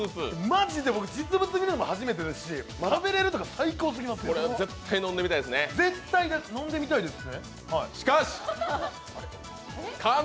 まじで実物見たの初めてですし、食べれるとか、最高すぎますよ絶対飲んでみたいです？